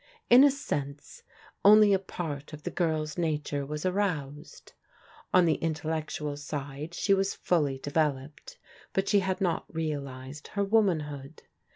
In a sense, only a part of the girl's nature was atouseii^ 108 PRODIGAL DAUGHTEBS On the intellectual side, she was fully developed, but she had not realized her womanhood.